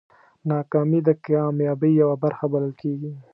ناکامي د کامیابۍ یوه برخه بلل کېږي.